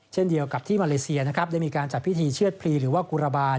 เช่นเดียวกับที่มาเลเซียนะครับได้มีการจัดพิธีเชื่อดพลีหรือว่ากุระบาล